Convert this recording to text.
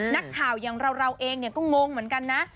นักข่าวอย่างเราเองก็งงเหมือนกันนะ